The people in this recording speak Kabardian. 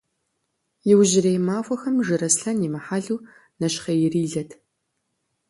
Иужьрей махуэхэм Жыраслъэн имыхьэлу нэщхъейрилэт.